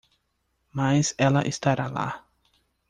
Mas ela estará lá.